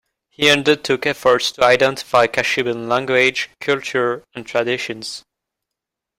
He undertook efforts to identify Kashubian language, culture and traditions.